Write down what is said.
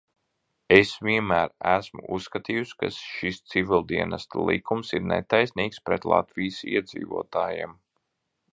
Es vienmēr esmu uzskatījusi, ka šis Civildienesta likums ir netaisnīgs pret Latvijas iedzīvotājiem.